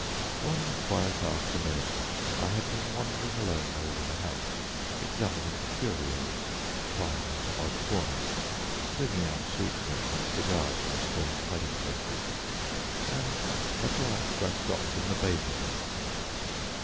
One quiet afternoon I had been wandering alone over the house examining curios, prying into odd corners, bringing out sweetmeats and cigars from strange hiding places, and at last I stopped in the bathing room.